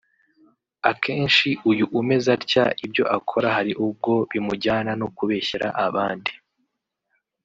Akenshi uyu umeze atya ibyo akora hari ubwo bimujyana no kubeshyera abandi